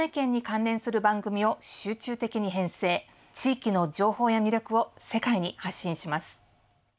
地域の情報や魅力を世界に発信します。